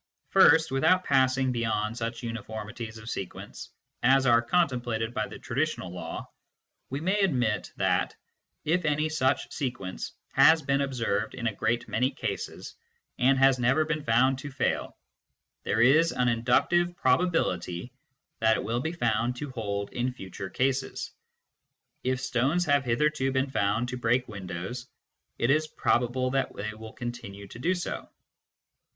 First, without passing beyond such uniformities of sequence as are contemplated by the traditional law, we may admit that, if any such sequence has been observed in a great many cases, and has never been found to fail, there is an inductive probability that it will be found to hold in future cases. If stones have hitherto been found to break windows, it is probable that they will continue to do so.